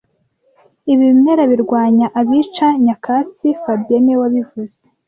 Ibi bimera birwanya abica nyakatsi fabien niwe wabivuze